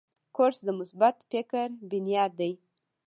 کورس د مثبت فکر بنیاد دی.